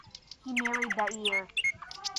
He married that year.